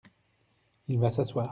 Il va s’asseoir.